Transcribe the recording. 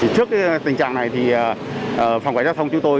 trước tình trạng này thì phòng cảnh sát giao thông chúng tôi